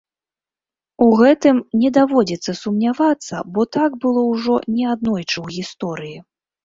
У гэтым не даводзіцца сумнявацца, бо так было ўжо неаднойчы ў гісторыі.